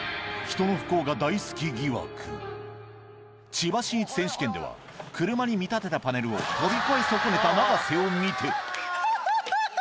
千葉真一選手権では車に見立てたパネルを飛び越え損ねた永瀬を見てハハハハ！